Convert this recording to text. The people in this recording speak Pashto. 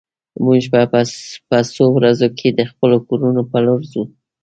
موږ به په څو ورځو کې د خپلو کورونو په لور ځو